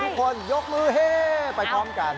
ทุกคนยกมือเฮ้ไปพร้อมกัน